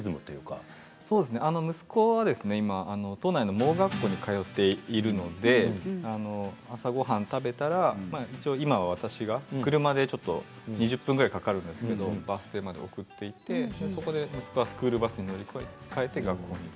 息子は都内の盲学校に通っているので朝ごはんを食べたら今は私が車で２０分ぐらいかかるんですけどバス停まで送っていって息子はスクールバスに乗り換えて学校に行く。